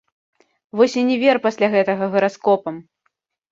Вось і не вер пасля гэтага гараскопам!